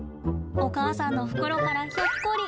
お母さんの袋からひょっこり。